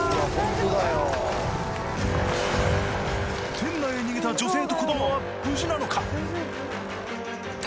店内へ逃げた女性と子どもは無事なのか？